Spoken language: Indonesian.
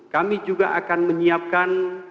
kami juga akan menyiapkan